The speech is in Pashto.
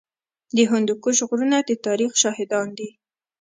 د هندوکش غرونه د تاریخ شاهدان دي